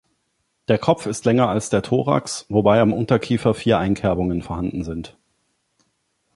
Der Kopf ist länger als der Thorax, wobei am Unterkiefer vier Einkerbung vorhanden sind.